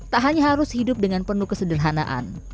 tak hanya harus hidup dengan penuh kesederhanaan